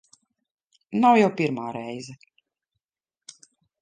Nav jau pirmā reize.